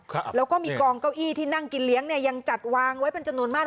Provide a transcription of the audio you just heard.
ครับแล้วก็มีกองเก้าอี้ที่นั่งกินเลี้ยงเนี่ยยังจัดวางไว้เป็นจำนวนมาก